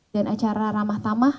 dan acara ramah tamah